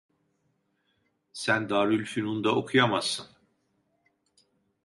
Sen Darülfünun’da okuyamazsın…